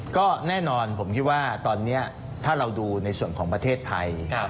ก็แน่นอนผมคิดว่าตอนนี้ถ้าเราดูในส่วนของประเทศไทย